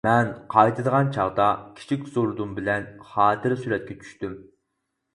مەن قايتىدىغان چاغدا كىچىك زوردۇن بىلەن خاتىرە سۈرەتكە چۈشتۈم.